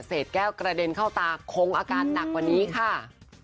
แก้วกระเด็นเข้าตาคงอาการหนักกว่านี้ค่ะ